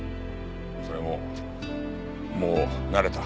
それももう慣れた。